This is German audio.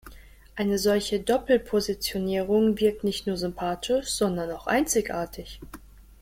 Eine solche Doppel-Positionierung wirkt nicht nur sympathisch, sondern auch einzigartig.